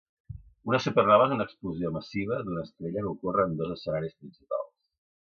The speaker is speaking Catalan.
Una supernova és una explosió massiva d'una estrella que ocorre en dos escenaris principals.